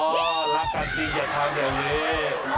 ก็รักกันจริงอย่าทำอย่างนี้